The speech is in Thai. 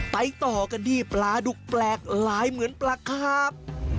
ต่อกันที่ปลาดุกแปลกหลายเหมือนปลาครับ